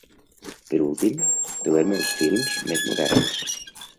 Per últim, trobem els films més moderns.